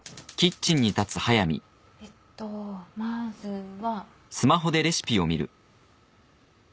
えっとまずは。